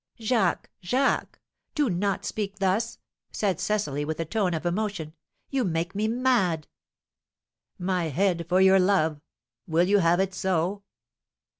"Jacques! Jacques! Do not speak thus!" said Cecily, with a tone of emotion. "You make me mad!" "My head for your love, will you have it so?"